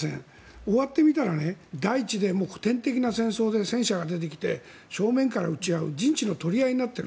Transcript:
終わってみたら大地で古典的な戦争で戦車が出てきて正面から撃ち合う陣地の取り合いになっている。